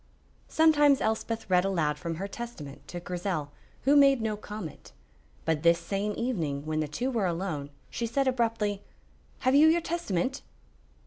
Sometimes Elspeth read aloud from her Testament to Grizel, who made no comment, but this same evening, when the two were alone, she said abruptly: "Have you your Testament?"